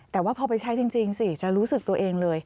แต่ว่าพอไปใช้จริงสิจะรู้สึกตัวเองเลย